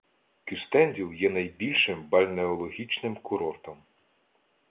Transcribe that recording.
Кюстенділ є найбільшим бальнеологічним курортом.